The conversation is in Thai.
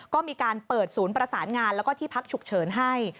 ก็มีการเปิดศูนย์ประสานงานแล้วก็ที่พักฉุกเฉินให้